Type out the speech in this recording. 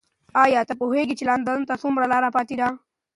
ایا ته پوهېږې چې لندن ته څومره لاره پاتې ده؟